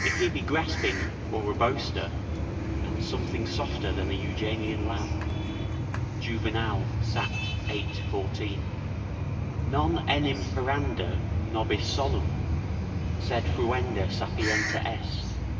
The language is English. ["If he be grasping, or a boaster, and something softer than an Euganean lamb." Juvenal, Sat., viii. 14.] "Non enim paranda nobis solum, sed fruenda sapientia est."